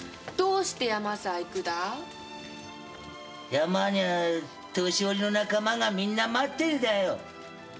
山にゃ年寄りの仲間がみんな待ってるだよ。